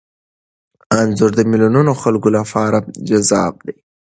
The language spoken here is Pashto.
انځور د میلیونونو خلکو لپاره جذاب دی.